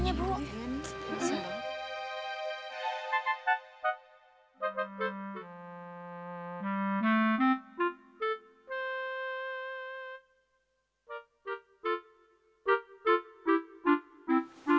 pengen bee ya ini